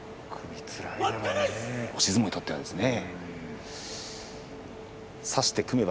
押し相撲にとってはですね。